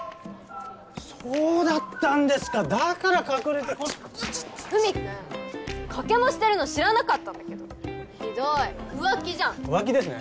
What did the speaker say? そうだったんですかだから隠れてふみくんカケモしてるの知らなかったんだけどひどい浮気じゃん浮気ですね